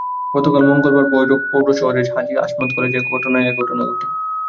গতকাল মঙ্গলবার ভৈরব পৌর শহরের হাজি আসমত কলেজ এলাকায় এ ঘটনা ঘটে।